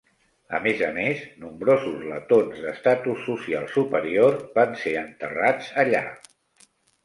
A més a més, nombrosos letons d'estatus social superior van ser enterrats allà.